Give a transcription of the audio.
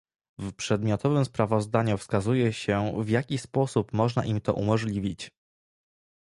W przedmiotowym sprawozdaniu wskazuje się, w jaki sposób można im to umożliwić